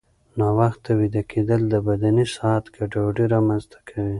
ناوخته ویده کېدل د بدني ساعت ګډوډي رامنځته کوي.